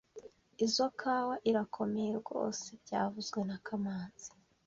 Izoi kawa irakomeye rwose byavuzwe na kamanzi